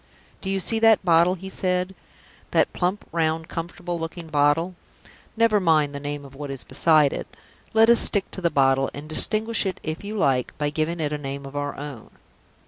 "Do you see that bottle," he said "that plump, round, comfortable looking bottle? Never mind the name of what is beside it; let us stick to the bottle, and distinguish it, if you like, by giving it a name of our own.